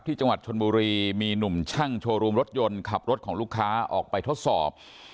จังหวัดชนบุรีมีหนุ่มช่างโชว์รูมรถยนต์ขับรถของลูกค้าออกไปทดสอบ